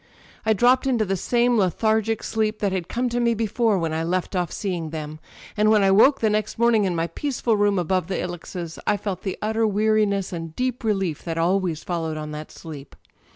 I dropped into the same lethargic sleep that had come to me before when I left off seeing them; and when I woke the next morning, in my peaceful room above the ilexes, I felt the utter weariness and deep relief that always followed. on that sleep.